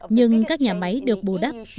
nhưng các nhà máy được bù đắp bởi dự tính